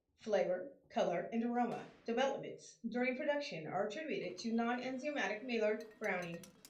Flavor, color, and aroma developments during production are attributed to non-enzymatic Maillard browning.